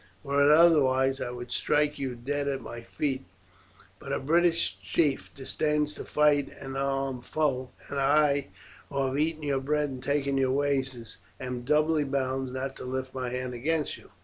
Were it otherwise, I would strike you dead at my feet. But a British chief disdains to fight an unarmed foe, and I who have eaten your bread and taken your wages am doubly bound not to lift my hand against you."